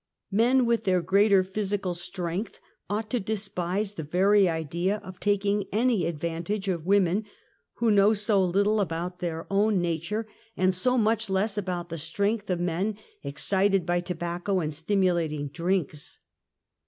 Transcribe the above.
Men with their greater physical strength, ought to despise the very idea of taking any advantage of women who know so little about their own 56 UNMASKED. nature, and so much less about the strength of men excited by tobacco, and stimulating drinks.